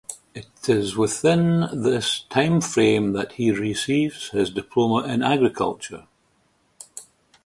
It is within this time frame that he receives his diploma in agriculture.